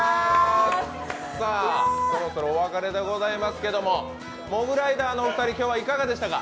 そろそろお別れでございますけれども、モグライダーのお二人今日はいかがでしたか？